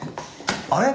あれ？